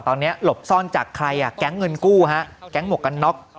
ตอนนี้หลบซ่อนจากใครอ่ะแก๊งเงินกู้ฮะแก๊งหมวกกันน็อก